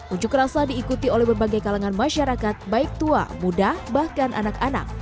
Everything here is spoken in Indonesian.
unjuk rasa diikuti oleh berbagai kalangan masyarakat baik tua muda bahkan anak anak